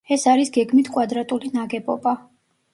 ეს არის გეგმით კვადრატული ნაგებობა.